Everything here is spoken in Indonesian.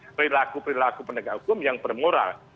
perilaku perilaku penegak hukum yang bermoral